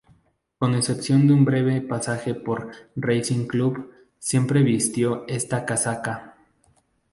Con excepción de un breve pasaje por Racing Club, siempre vistió esta casaca.